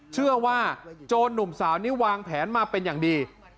เชื่อว่าโจรหนุ่มสาวนี้วางแผนมาเป็นอย่างดี